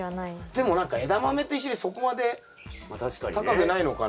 でも何かエダマメと一緒でそこまで高くないのかな？